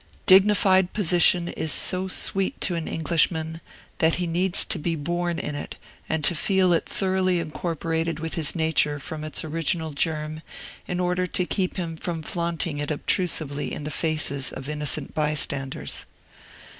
Dignified position is so sweet to an Englishman, that he needs to be born in it, and to feel it thoroughly incorporated with his nature from its original germ, in order to keep him from flaunting it obtrusively in the faces of innocent bystanders.